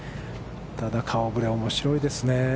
ただ、顔ぶれがおもしろいですね。